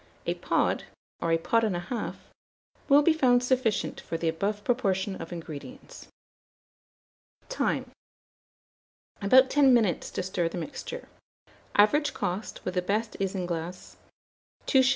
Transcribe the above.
A pod, or a pod and a half, will be found sufficient for the above proportion of ingredients. Time. About 10 minutes to stir the mixture. Average cost, with the best isinglass, 2s.